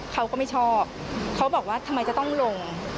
เขาก็ไม่ชอบเขาบอกว่าทำไมจะต้องลง